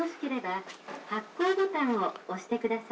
「発行ボタンを押してください」